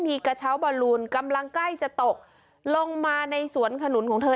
มีกระเช้าบอลลูนกำลังใกล้จะตกลงมาในสวนขนุนของเธอ